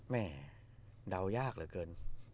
แม่เดายากเหลือเกิน